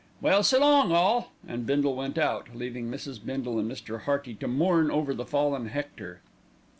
"Well, s'long, all!" and Bindle went out, leaving Mrs. Bindle and Mr. Hearty to mourn over the fallen Hector.